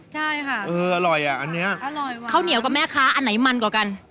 ใช่ค่ะเอออร่อยอ่ะอันนี้อร่อยข้าวเหนียวกับแม่ค้าอันไหนมันกว่ากัน